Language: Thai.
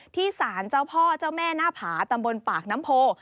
ที่สารเจ้าพ่อเจ้าแม่หน้าผาตำบลปากน้ำโพ